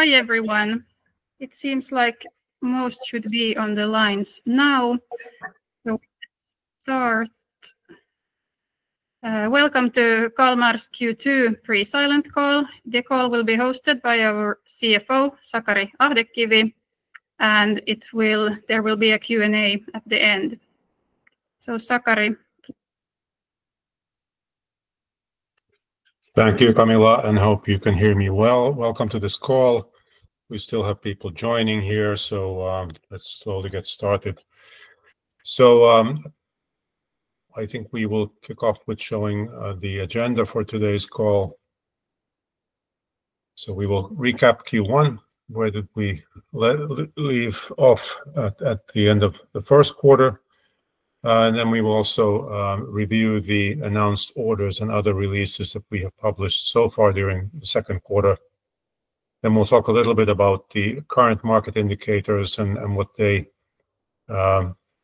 Hi everyone, it seems like most should be on the lines now. Welcome to Kalmar's Q2 Pre-Silent Call. The call will be hosted by our CFO, Sakari Ahdekivi, and there will be a Q&A at the end. So, Sakari. Thank you, Camilla, and I hope you can hear me well. Welcome to this call. We still have people joining here, so let's slowly get started. I think we will kick off with showing the agenda for today's call. We will recap Q1, where did we leave off at the end of the first quarter, and then we will also review the announced orders and other releases that we have published so far during the second quarter. We will talk a little bit about the current market indicators and what they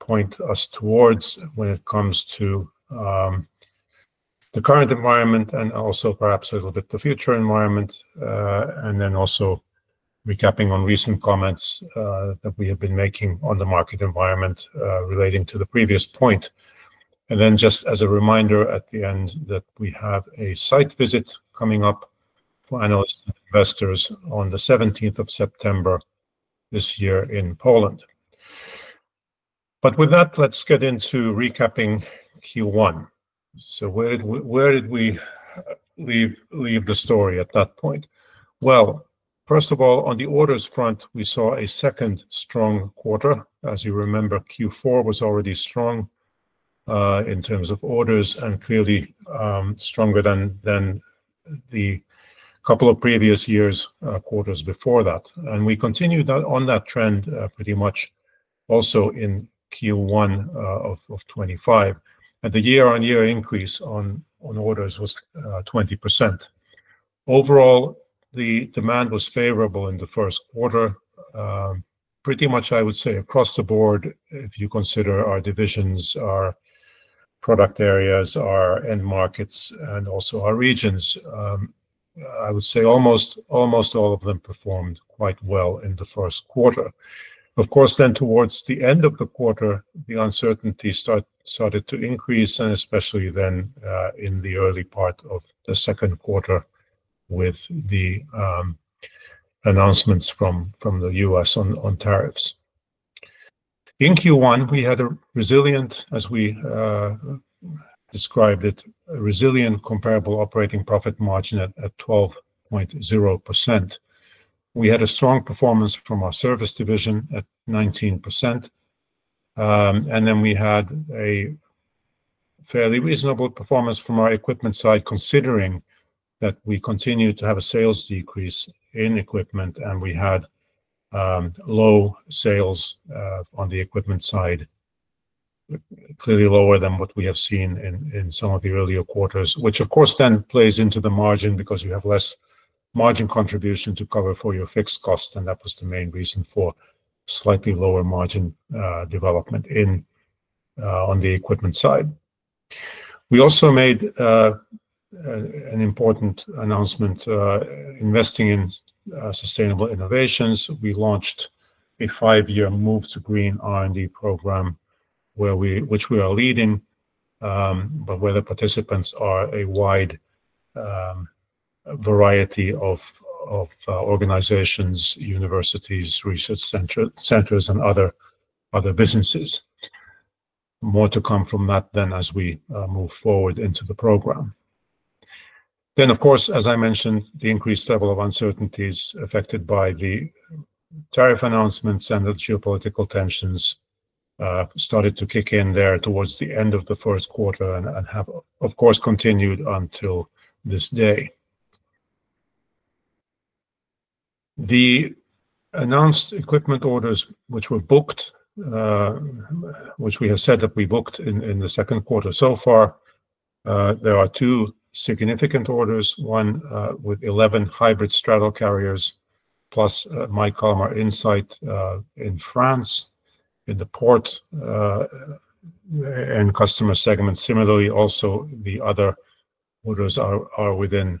point us towards when it comes to the current environment and also perhaps a little bit the future environment, and then also recapping on recent comments that we have been making on the market environment relating to the previous point. Just as a reminder at the end that we have a site visit coming up for analysts and investors on the 17th of September this year in Poland. With that, let's get into recapping Q1. Where did we leave the story at that point? First of all, on the orders front, we saw a second strong quarter. As you remember, Q4 was already strong in terms of orders and clearly stronger than the couple of previous years, quarters before that. We continued on that trend pretty much also in Q1 of 2025, and the year-on-year increase on orders was 20%. Overall, the demand was favorable in the first quarter, pretty much I would say across the board if you consider our divisions, our product areas, our end markets, and also our regions. I would say almost all of them performed quite well in the first quarter. Of course, then towards the end of the quarter, the uncertainty started to increase, and especially then in the early part of the second quarter with the announcements from the U.S. on tariffs. In Q1, we had a resilient, as we described it, resilient comparable operating profit margin at 12.0%. We had a strong performance from our service division at 19%, and then we had a fairly reasonable performance from our equipment side, considering that we continued to have a sales decrease in equipment, and we had low sales on the equipment side, clearly lower than what we have seen in some of the earlier quarters, which of course then plays into the margin because you have less margin contribution to cover for your fixed costs, and that was the main reason for slightly lower margin development on the equipment side. We also made an important announcement investing in sustainable innovations. We launched a five-year move to green R&D program, which we are leading, but where the participants are a wide variety of organizations, universities, research centers, and other businesses. More to come from that then as we move forward into the program. Of course, as I mentioned, the increased level of uncertainties affected by the tariff announcements and the geopolitical tensions started to kick in there towards the end of the first quarter and have, of course, continued until this day. The announced equipment orders, which were booked, which we have said that we booked in the second quarter so far, there are two significant orders, one with 11 hybrid straddle carriers plus Kalmar Insight in France in the port and customer segment. Similarly, also the other orders are within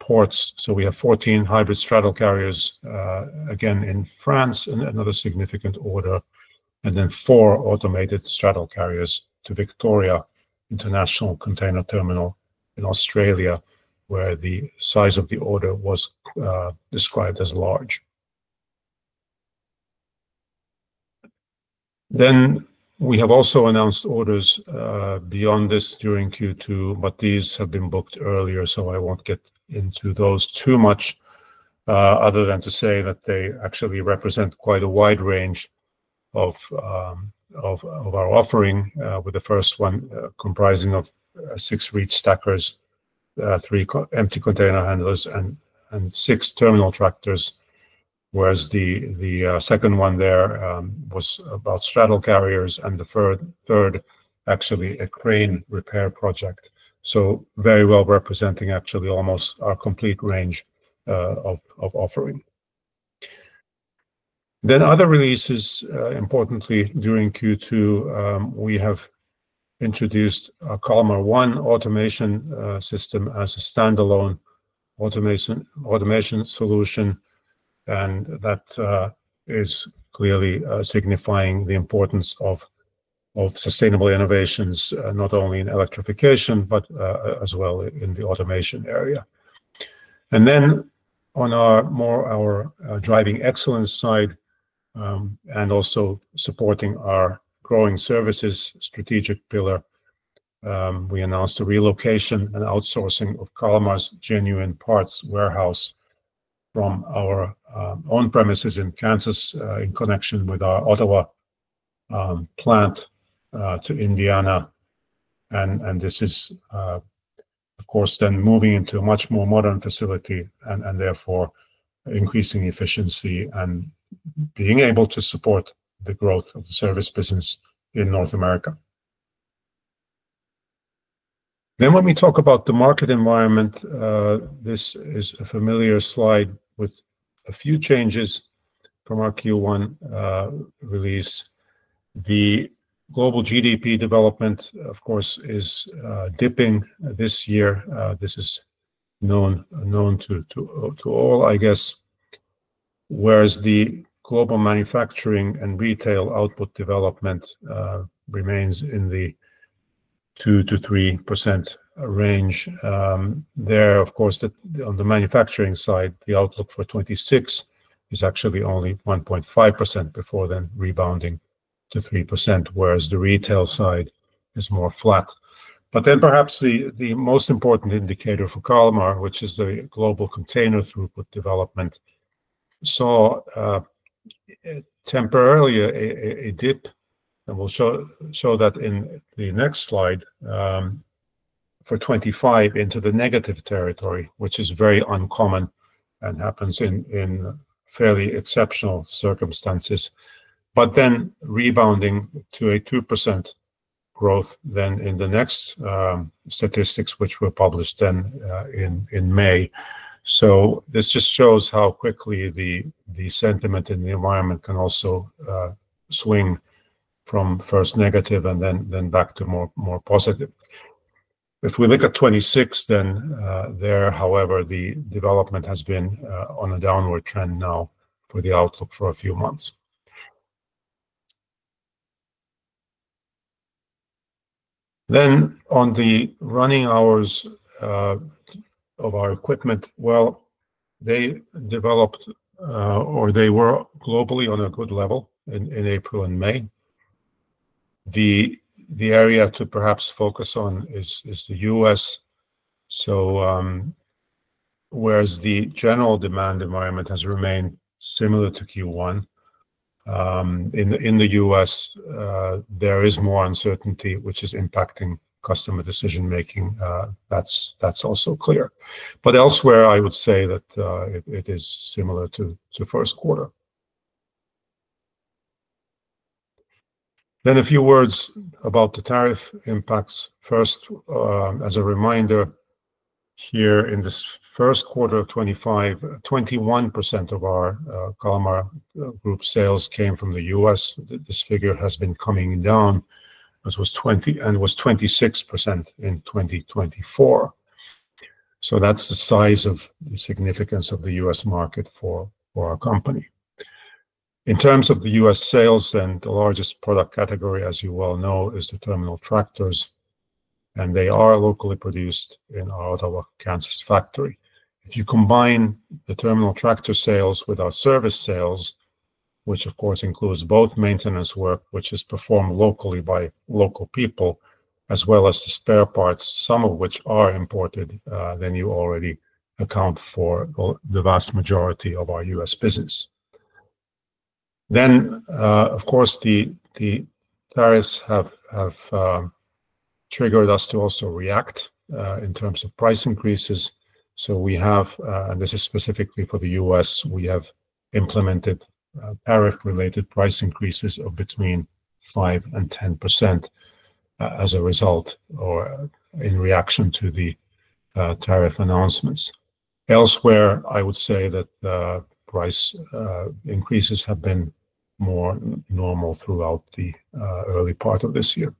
ports. We have 14 hybrid straddle carriers again in France, another significant order, and then four automated straddle carriers to Victoria International Container Terminal in Australia, where the size of the order was described as large. We have also announced orders beyond this during Q2, but these have been booked earlier, so I won't get into those too much other than to say that they actually represent quite a wide range of our offering, with the first one comprising six reach stackers, three empty container handlers, and six terminal tractors, whereas the second one was about straddle carriers, and the third actually a crane repair project. Very well representing actually almost our complete range of offering. Other releases, importantly during Q2, we have introduced a Kalmar One automation system as a standalone automation solution, and that is clearly signifying the importance of sustainable innovations, not only in electrification, but as well in the automation area. On our driving excellence side and also supporting our growing services strategic pillar, we announced a relocation and outsourcing of Kalmar's Genuine Parts warehouse from our on-premises in Kansas in connection with our Ottawa plant to Indiana. This is, of course, then moving into a much more modern facility and therefore increasing efficiency and being able to support the growth of the service business in North America. When we talk about the market environment, this is a familiar slide with a few changes from our Q1 release. The global GDP development, of course, is dipping this year. This is known to all, I guess, whereas the global manufacturing and retail output development remains in the 2-3% range. There, of course, on the manufacturing side, the outlook for 2026 is actually only 1.5% before then rebounding to 3%, whereas the retail side is more flat. Perhaps the most important indicator for Kalmar, which is the global container throughput development, saw temporarily a dip, and we'll show that in the next slide for 2025 into the negative territory, which is very uncommon and happens in fairly exceptional circumstances, but then rebounding to a 2% growth then in the next statistics, which were published then in May. This just shows how quickly the sentiment in the environment can also swing from first negative and then back to more positive. If we look at 2026, there, however, the development has been on a downward trend now for the outlook for a few months. On the running hours of our equipment, they developed or they were globally on a good level in April and May. The area to perhaps focus on is the U.S., whereas the general demand environment has remained similar to Q1. In the U.S., there is more uncertainty, which is impacting customer decision-making. That's also clear. Elsewhere, I would say that it is similar to first quarter. A few words about the tariff impacts. First, as a reminder, here in this first quarter of 2025, 21% of our Kalmar Group sales came from the U.S. This figure has been coming down and was 26% in 2024. That's the size of the significance of the U.S. market for our company. In terms of the U.S. sales, the largest product category, as you well know, is the terminal tractors, and they are locally produced in our Ottawa, Kansas factory. If you combine the terminal tractor sales with our service sales, which of course includes both maintenance work, which is performed locally by local people, as well as the spare parts, some of which are imported, then you already account for the vast majority of our U.S. business. Of course, the tariffs have triggered us to also react in terms of price increases. We have, and this is specifically for the U.S., implemented tariff-related price increases of between 5-10% as a result or in reaction to the tariff announcements. Elsewhere, I would say that price increases have been more normal throughout the early part of this year.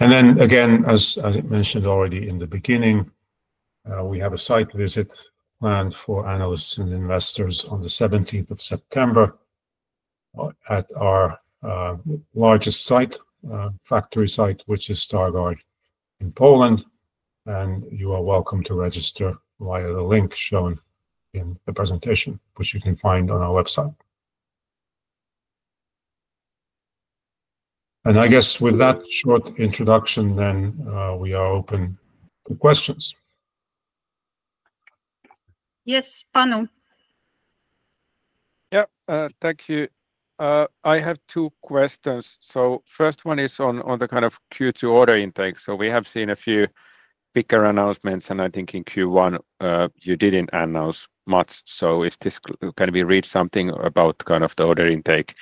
As I mentioned already in the beginning, we have a site visit planned for analysts and investors on the 17th of September at our largest factory site, which is Stargard in Poland, and you are welcome to register via the link shown in the presentation, which you can find on our website. I guess with that short introduction, we are open to questions. Yes, Panu. Yeah, thank you. I have two questions. First one is on the kind of Q2 order intake. We have seen a few bigger announcements, and I think in Q1 you did not announce much. Can we read something about kind of the order intake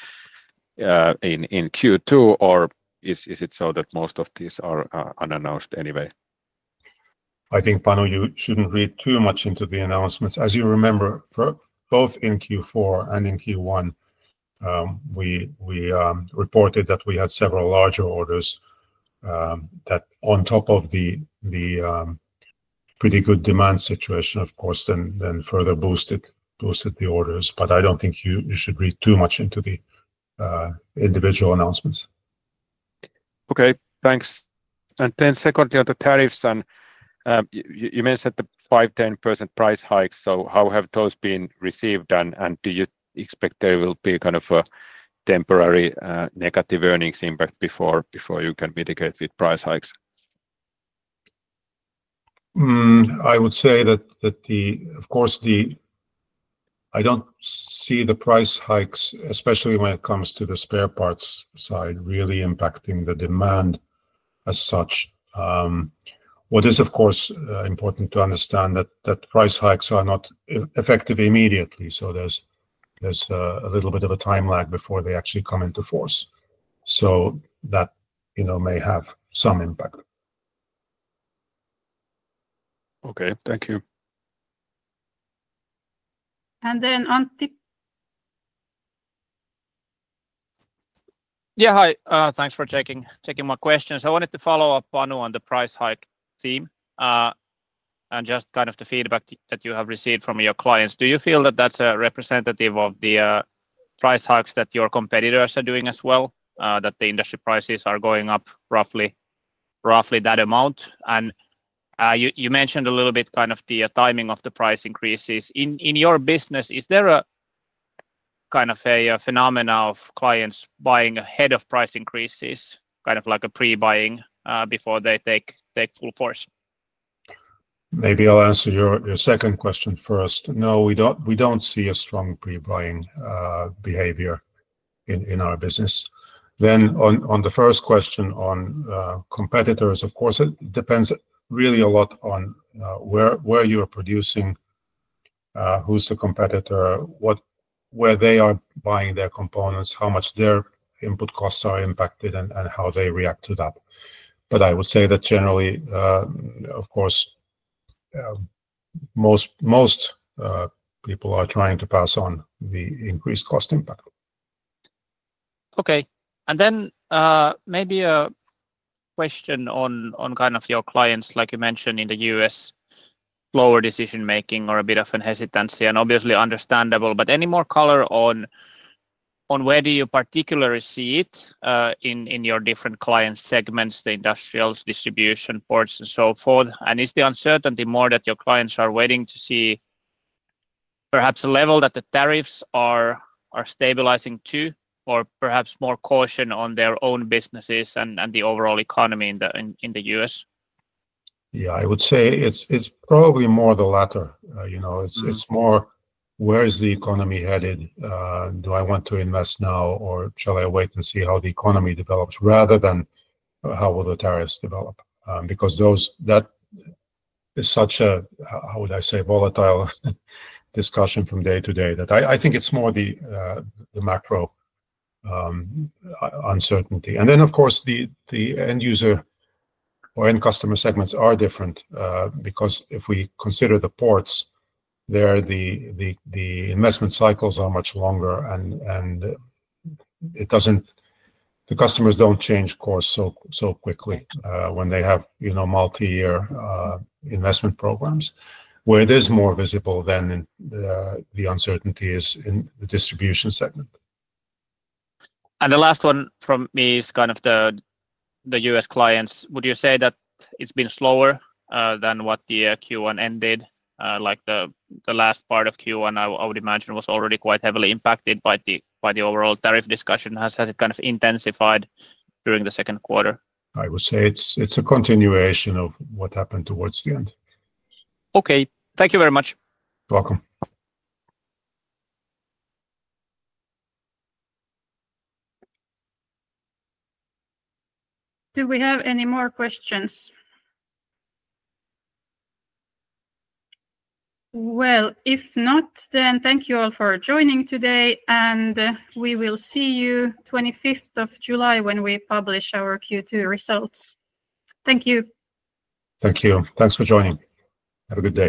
in Q2, or is it so that most of these are unannounced anyway? I think, Panu, you shouldn't read too much into the announcements. As you remember, both in Q4 and in Q1, we reported that we had several larger orders that, on top of the pretty good demand situation, of course, then further boosted the orders. I don't think you should read too much into the individual announcements. Okay, thanks. Then secondly, on the tariffs, you mentioned the 5-10% price hikes. How have those been received, and do you expect there will be kind of a temporary negative earnings impact before you can mitigate with price hikes? I would say that, of course, I don't see the price hikes, especially when it comes to the spare parts side, really impacting the demand as such. What is, of course, important to understand is that price hikes are not effective immediately, so there's a little bit of a time lag before they actually come into force. That may have some impact. Okay, thank you. Antti. Yeah, hi. Thanks for taking my questions. I wanted to follow up, Panu, on the price hike theme and just kind of the feedback that you have received from your clients. Do you feel that that's representative of the price hikes that your competitors are doing as well, that the industry prices are going up roughly that amount? You mentioned a little bit kind of the timing of the price increases. In your business, is there kind of a phenomena of clients buying ahead of price increases, kind of like a pre-buying before they take full force? Maybe I'll answer your second question first. No, we don't see a strong pre-buying behavior in our business. On the first question on competitors, of course, it depends really a lot on where you are producing, who's the competitor, where they are buying their components, how much their input costs are impacted, and how they react to that. I would say that generally, of course, most people are trying to pass on the increased cost impact. Okay. Maybe a question on kind of your clients, like you mentioned in the U.S., slower decision-making or a bit of hesitancy, and obviously understandable, but any more color on where do you particularly see it in your different client segments, the industrials, distribution, ports, and so forth? Is the uncertainty more that your clients are waiting to see perhaps a level that the tariffs are stabilizing to, or perhaps more caution on their own businesses and the overall economy in the U.S.? Yeah, I would say it's probably more the latter. It's more where is the economy headed? Do I want to invest now, or shall I wait and see how the economy develops rather than how will the tariffs develop? Because that is such a, how would I say, volatile discussion from day to day that I think it's more the macro uncertainty. Of course, the end user or end customer segments are different because if we consider the ports, the investment cycles are much longer, and the customers don't change course so quickly when they have multi-year investment programs, where it is more visible than the uncertainty is in the distribution segment. The last one from me is kind of the US clients. Would you say that it's been slower than what the Q1 ended? Like the last part of Q1, I would imagine, was already quite heavily impacted by the overall tariff discussion. Has it kind of intensified during the second quarter? I would say it's a continuation of what happened towards the end. Okay. Thank you very much. You're welcome. Do we have any more questions? If not, then thank you all for joining today, and we will see you on the 25th of July when we publish our Q2 results. Thank you. Thank you. Thanks for joining. Have a good day.